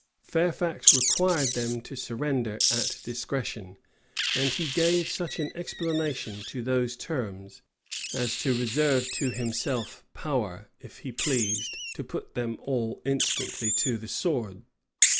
Fairfax required them to surrender at discretion; and he gave such an explanation to these terms, as to reserve to himself power, if he pleased, to put them all instantly to the sword.